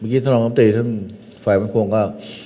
เมื่อกี้ท่านรอบน้ำตีท่านฟัยมันควงก็